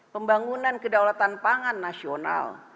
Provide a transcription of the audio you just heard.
pembangunan kedaulatan pangan nasional